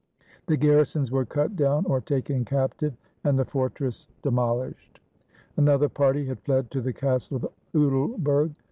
The garrisons were cut down or taken captive, and the fortress demolished. Another party had fled to the castle of Uttleberg.